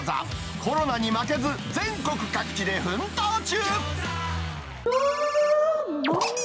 コロナに負けず、全国各地で奮闘中。